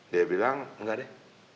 dia bilang enggak deh